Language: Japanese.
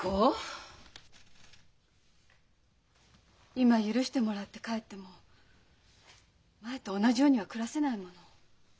今許してもらって帰っても前と同じようには暮らせないもの。